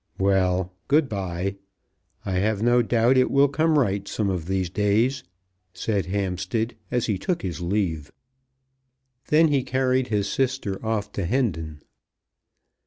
"Well, good bye. I have no doubt it will come right some of these days," said Hampstead, as he took his leave. Then he carried his sister off to Hendon.